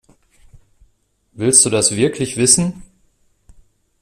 Willst du das wirklich wissen?